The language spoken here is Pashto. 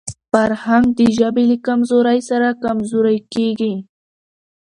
فرهنګ د ژبي له کمزورۍ سره کمزورې کېږي.